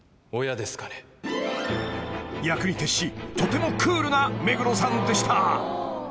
［役に徹しとてもクールな目黒さんでした］